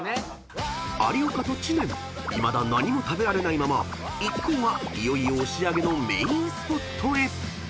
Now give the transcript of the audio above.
［有岡と知念いまだ何も食べられないまま一行はいよいよ押上のメインスポットへ］